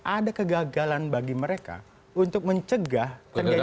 ada kegagalan bagi mereka untuk mencegah terjadinya